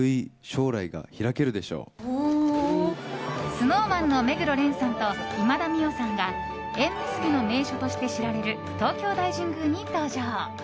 ＳｎｏｗＭａｎの目黒蓮さんと、今田美桜さんが縁結びの名所として知られる東京大神宮に登場。